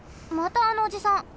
またあのおじさん。